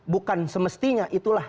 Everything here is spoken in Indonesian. bukan semestinya itulah